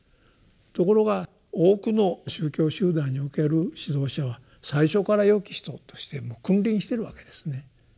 ところが多くの宗教集団における指導者は最初から「よき人」としてもう君臨してるわけですね。